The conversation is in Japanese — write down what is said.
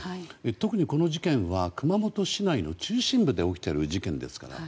特にこの事件は熊本市内の中心部で起きている事件です。